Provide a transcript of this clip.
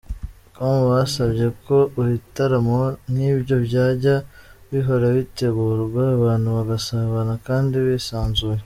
com basabye ko ibitaramo nk’ibyo byajya bihora bitegurwa, abantu bagasabana kandi bisanzuye.